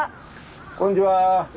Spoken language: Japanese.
・こんにちは。